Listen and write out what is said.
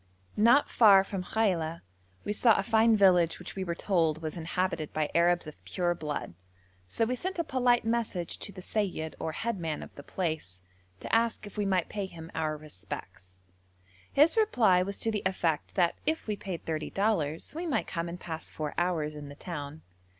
Not far from Khaila, we saw a fine village which we were told was inhabited by Arabs of pure blood, so we sent a polite message to the seyyid, or head man of the place, to ask if we might pay him our respects. His reply was to the effect that if we paid thirty dollars we might come and pass four hours in the town.